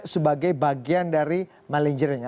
sebagai bagian dari manajernya